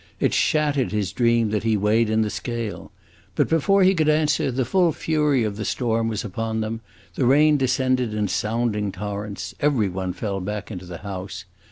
It shattered his dream that he weighed in the scale! But before he could answer, the full fury of the storm was upon them; the rain descended in sounding torrents. Every one fell back into the house.